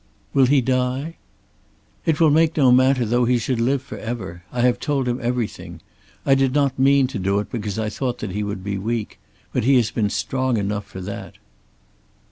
"Will he die?" "It will make no matter though he should live for ever. I have told him everything. I did not mean to do it because I thought that he would be weak; but he has been strong enough for that."